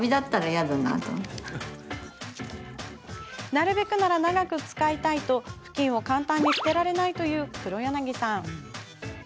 なるべくなら長く使いたいとふきんを簡単に捨てられない畔柳さん。